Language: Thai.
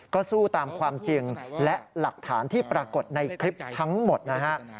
ก็สู้ตามความจริงและหลักฐานที่ปรากฏในคลิปทั้งหมดนะฮะ